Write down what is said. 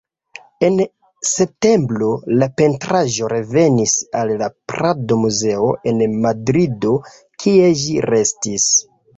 En septembro, la pentraĵo revenis al la Prado-Muzeo en Madrido, kie ĝi restis.